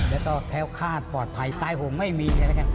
แล้วก็แท้วคาดปลอดภัยตายห่วงไม่มี